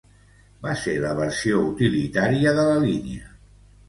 Va ser la versió utilitària de la línia.